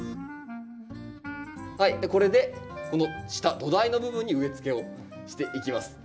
はいこれでこの下土台の部分に植えつけをしていきます。